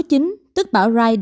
bão số chín tức bão rộng bị sạt lỡ